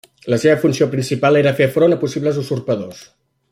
La seva funció principal era fer front a possibles usurpadors.